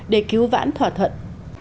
để cứu vãn thỏa thuận